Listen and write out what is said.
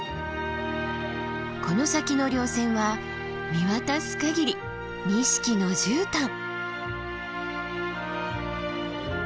この先の稜線は見渡す限り錦のじゅうたん。